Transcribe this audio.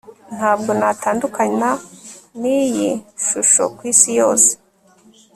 Ntabwo natandukana niyi shusho kwisi yose